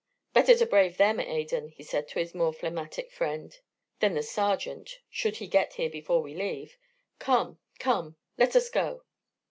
"Better to brave them, Adan," he said to his more phlegmatic friend, "than that sergeant, should he get here before we leave. Come, come, let us go."